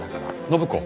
暢子。